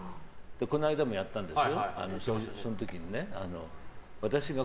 この間もやったんです。